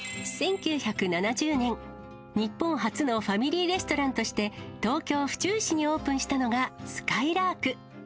１９７０年、日本初のファミリーレストランとして、東京・府中市にオープンしたのがすかいらーく。